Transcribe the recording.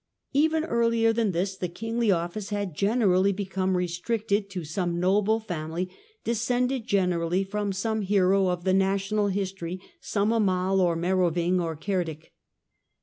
Even earlier than this the kingly office had generally become restricted to some noble family, descended generally from some hero of the national history — some Amal or Meroving or Cerdic.